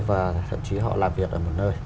và thậm chí họ làm việc ở một nơi